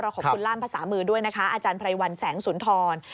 ขอบคุณล่ามภาษามือด้วยนะคะอาจารย์ไพรวัลแสงสุนทร